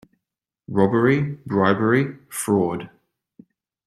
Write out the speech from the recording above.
Robbery, bribery, fraud